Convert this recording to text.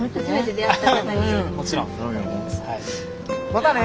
またね。